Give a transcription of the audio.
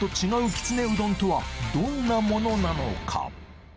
きつねうどんとはどんなものなのか？